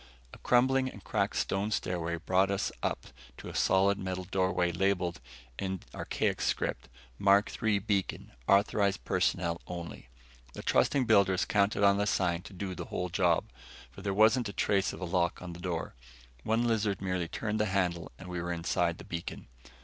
A crumbling and cracked stone stairway brought us up to a solid metal doorway labeled in archaic script MARK III BEACON AUTHORIZED PERSONNEL ONLY. The trusting builders counted on the sign to do the whole job, for there wasn't a trace of a lock on the door. One lizard merely turned the handle and we were inside the beacon.